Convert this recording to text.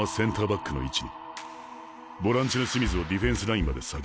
ボランチの清水をディフェンスラインまで下げる。